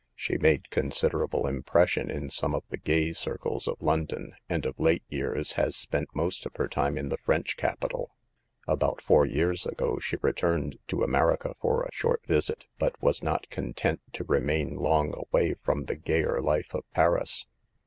She made considerable impression in some of the gay circles of London, and of late years has spent most of her time in the French capital. About four years ago she returned to America for a short visit, but was not content to remain long away from the gayer life of Paris.